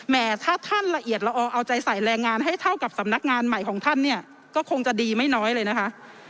ถ้าท่านละเอียดละออเอาใจใส่แรงงานให้เท่ากับสำนักงานใหม่ของท่านเนี่ยก็คงจะดีไม่น้อยเลยนะคะ